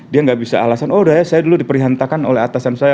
dia nggak bisa alasan oh udah ya saya dulu diperhantakan oleh atasan saya